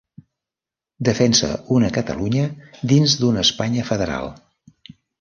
Defensa una Catalunya dins d’una Espanya federal.